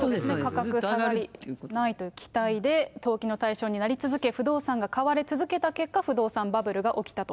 価格下がらないという期待で投機の対象になり続け、不動産が買われ続けた結果、不動産バブルが起きたと。